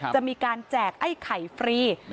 จะมีการแจกไอ้ไข่ฟรี